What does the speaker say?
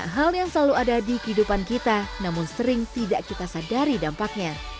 hal yang selalu ada di kehidupan kita namun sering tidak kita sadari dampaknya